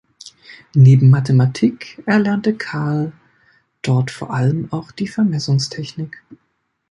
Neben Mathematik erlernte Carl dort vor allen auch die Vermessungstechnik.